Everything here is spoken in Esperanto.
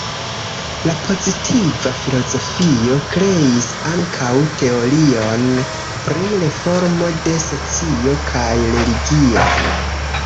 La pozitiva filozofio kreis ankaŭ teorion pri reformo de socio kaj religion.